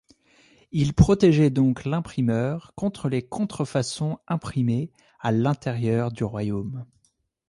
Il protégeait donc l'imprimeur contre les contrefaçons imprimées à l'intérieur du royaume.